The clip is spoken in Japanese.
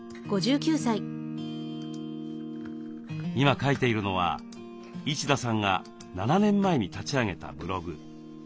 今書いているのは一田さんが７年前に立ち上げたブログ。